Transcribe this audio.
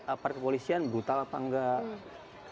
aparat kepolisian butal apa enggak